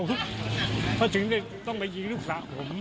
เพราะฉะนั้นต้องไปยิงลูกสาวผม